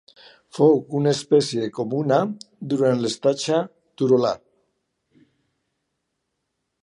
Fou una espècie comuna durant l'estatge Turolià.